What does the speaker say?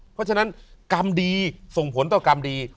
เพราะฉะนั้นกรรมดีส่งผลต่อกรรมดี